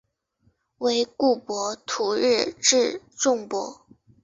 惟故博徒日至纵博。